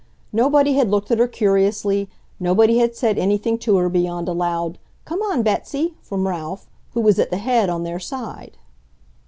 Nobody had looked at her curiously, nobody had said anything to her beyond a loud, "Come on, Betsy!" from Ralph, who was at the head on their side.